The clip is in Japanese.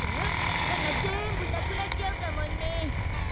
歯がぜーんぶなくなっちゃうかもね。